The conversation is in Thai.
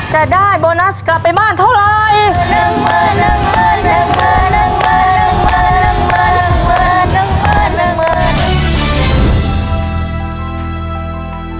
จะได้โบนัสกลับไปบ้านเท่าไร